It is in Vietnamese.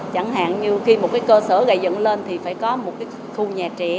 chẳng hạn như khi một cái cơ sở gây dẫn lên thì phải có một cái khu nhà trẻ